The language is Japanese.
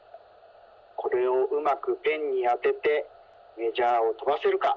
これをうまくペンにあててメジャーをとばせるか。